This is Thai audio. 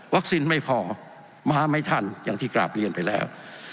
ไม่พอมาไม่ทันอย่างที่กราบเรียนไปแล้ว